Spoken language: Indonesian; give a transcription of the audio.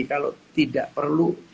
kalau tidak perlu